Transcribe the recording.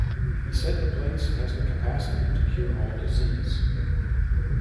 He said the place has the capacity to cure all disease.